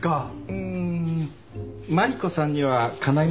うーんマリコさんにはかないませんけどね。